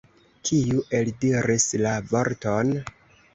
Kiu eldiris la vorton?